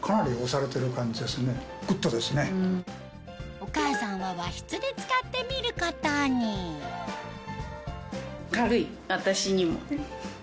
お母さんは和室で使ってみることに軽い私にも。